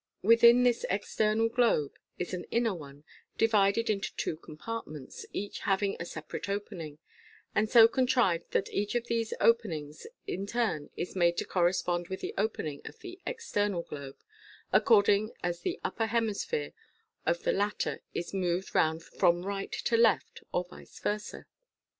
Within this external globe is an inner one, divided into two compartments, each having a separate opening, and so contrived that each of these open ngs in turn is made to correspond with the opening of the external globe, according as the upper hemisphere of the latter is moved round from right to left, or vice versa.